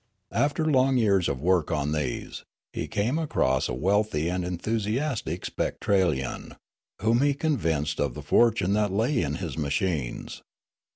"After long years of work on these, he came across a wealthy and enthusiastic Spectralian, whom he con vinced of the fortune that lay in his machines.